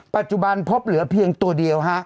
ปัจจุบันพบเหลือเพียงตัวเดียว